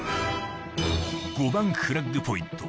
５番フラッグポイント